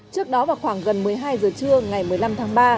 trước đó vào khoảng gần một mươi hai giờ trưa ngày một mươi năm tháng ba